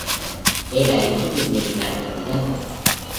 Era hijo de un militar retirado.